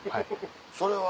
それは。